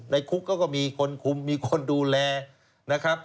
คุกเขาก็มีคนคุมมีคนดูแลนะครับ